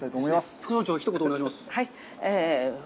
副村長、一言お願いします。